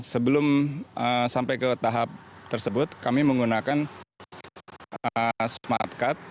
sebelum sampai ke tahap tersebut kami menggunakan smartcard